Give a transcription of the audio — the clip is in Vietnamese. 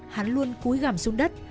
hắn luôn cúi gàm xuống đất